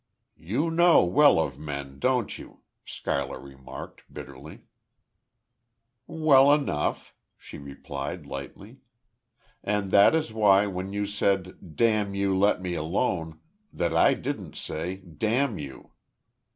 "You know well of men, don't you," Schuyler remarked, bitterly, "Well enough" she replied, lightly. "And that is why, when you said, 'Damn you, let me alone!' that I didn't say, 'Damn you!'"